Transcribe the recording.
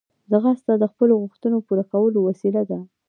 ځغاسته د خپلو غوښتنو پوره کولو وسیله ده